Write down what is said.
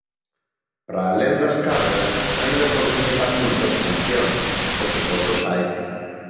Para alén das cargas, aínda poden chegar multas e sancións, porque fotos hai.